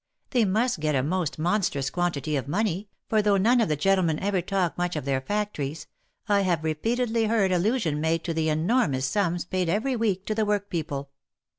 They must get a most monstrous quantity of money, for though none of the gentlemen ever talk much of their factories, I have repeatedly heard allusion made to the enormous sums paid every week to the work people.